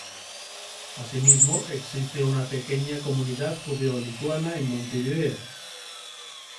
Asimismo, existe una pequeña comunidad judeo-lituana en Montevideo.